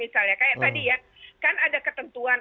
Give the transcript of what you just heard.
misalnya kayak tadi ya kan ada ketentuan